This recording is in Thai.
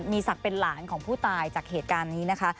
มีศักดิ์เป็นหลานของผู้ตายจากเหตุการณ์นี้นะคะ